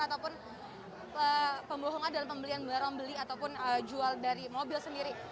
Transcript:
ataupun pembohongan dalam pembelian barang beli ataupun jual dari mobil sendiri